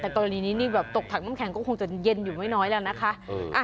แต่กรณีนี้นี่แบบตกถังน้ำแข็งก็คงจะเย็นอยู่ไม่น้อยแล้วนะคะ